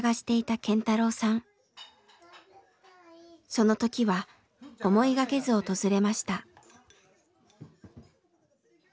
その時は思いがけず訪れました。